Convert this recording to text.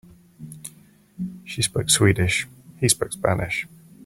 She spoke Swedish, he spoke Spanish.